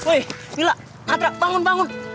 weh gila atra bangun bangun